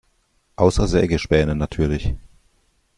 Außer Sägespäne natürlich.